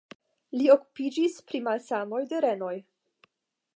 Li okupiĝis pri malsanoj de renoj.